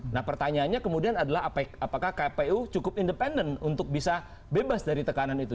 nah pertanyaannya kemudian adalah apakah kpu cukup independen untuk bisa bebas dari tekanan itu